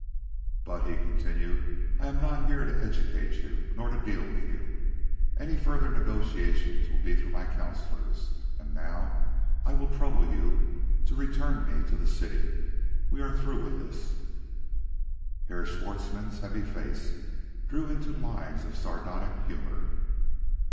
"But," he continued, "I am not here to educate you, nor to deal with you. Any further negotiations will be through my counsellors. And now I will trouble you to return me to the city. We are through with this." Herr Schwartzmann's heavy face drew into lines of sardonic humor.